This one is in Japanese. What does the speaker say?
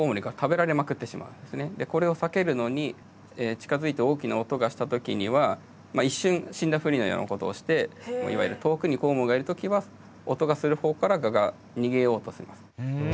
近づいて大きな音がした時には一瞬死んだふりのようなことをしていわゆる遠くにコウモリがいる時は音がするほうからガが逃げようとします。